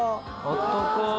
あったかーい。